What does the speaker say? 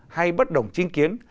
hay bất đồng chính kiến